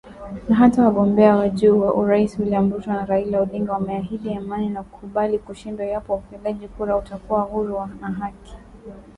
Na hata wagombea wa juu wa urais William Ruto na Raila Odinga wameahidi amani – na kukubali kushindwa iwapo upigaji kura utakuwa huru na wa haki.